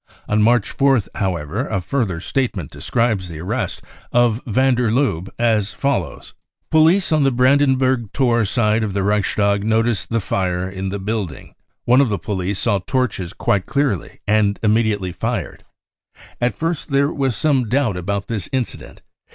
On March 4th, however, a further statement describes the arrest of van der Lubbe as follows :" Pblice on the Brandenburg Tor side of the Reichstag noticed the fire in the building. £)ne of the police saw torches quite clearly and immediately fired. At first there was some doubt about this incident.